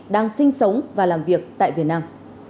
đang sinh sống và làm việc tại việt nam